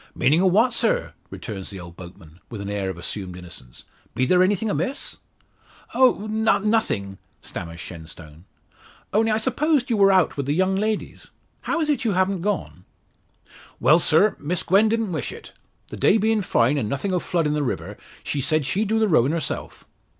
"Meanin' o' what, sir?" returns the old boatman, with an air of assumed innocence. "Be there anythin' amiss?" "Oh, nothing," stammers Shenstone. "Only I supposed you were out with the young ladies. How is it you haven't gone?" "Well, sir, Miss Gwen didn't wish it. The day bein' fine, an' nothing o' flood in the river, she sayed she'd do the rowin' herself."